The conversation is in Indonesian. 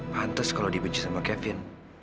pantas kalau dibenci sama kevin